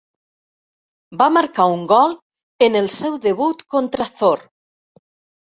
Va marcar un gol en el seu debut contra Thor.